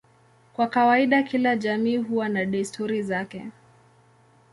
Kwa kawaida kila jamii huwa na desturi zake.